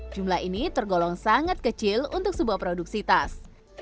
jumlah ini tergolong sangat kecil untuk sebuah produksi tas